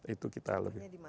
itu kita lebih